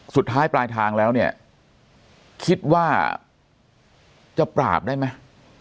สุดท้ายปลายทางแล้วเนี่ยคิดว่าจะปราบได้ไหม